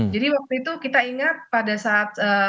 jadi waktu itu kita ingat pada saat